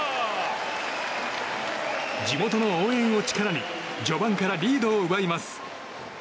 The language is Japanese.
地元の応援を力に序盤からリードを奪います。